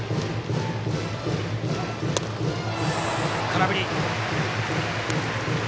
空振り。